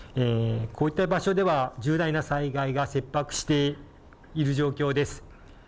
こういった場所では、重大な災害が切迫している状況です。